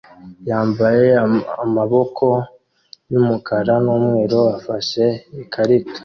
yambaye amaboko yumukara numweru afashe ikarita